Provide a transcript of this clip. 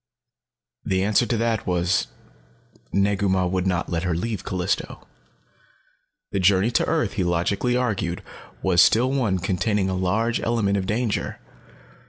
The answer to that was Negu Mah would not let her leave Callisto. The journey to earth, he logically argued, was still one containing a large element of danger.